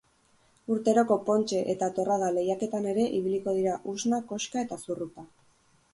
Urteroko pontxe eta torrada lehiaketan ere ibiliko dira usna, koxka eta zurrupa.